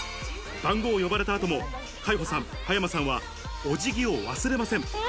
番号を呼ばれた後も、海保さん、葉山さんはお辞儀を忘れません。